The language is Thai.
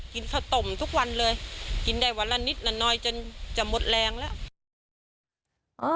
กินข้าวต้มทุกวันเลยกินได้วันละนิดละน้อยจนจะหมดแรงแล้ว